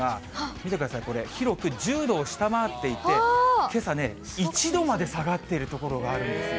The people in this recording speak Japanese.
見てください、これ、広く１０度を下回っていて、けさね、１度まで下がってる所があるんですよ。